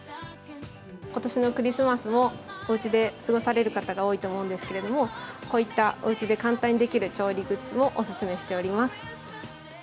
ことしのクリスマスもおうちで過ごされる方が多いと思うんですけれども、こういったおうちで簡単にできる調理グッズもお勧めしております。